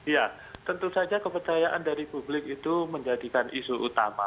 ya tentu saja kepercayaan dari publik itu menjadikan isu utama